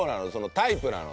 タイプなの？